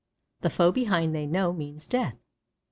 The foe behind they know means death.